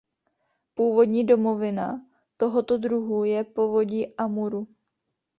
Původní domovina tohoto druhu je povodí Amuru.